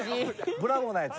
ブラボーなやつ。